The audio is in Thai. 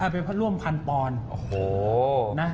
เอาไปร่วมพันปอนโอ้โห